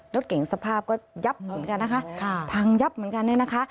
รถเก่งสภาพก็ยับเหมือนกันนะคะพังยับเหมือนกันเนี่ยนะคะ